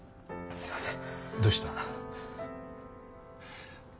すいません。